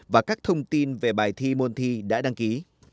và các thông tin về bài thi môn thi đã đăng ký